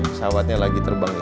pesawatnya lagi terbang